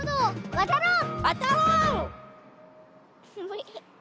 わたろう！